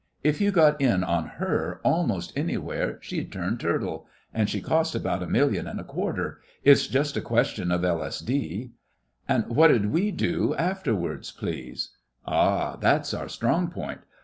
If you got in on her almost anywhere she'd turn turtle. And she cost about a million and a quarter. It's just a question of L.S.D.' 'And what 'ud we do afterwards, please?' 'Ah, that's our strong point.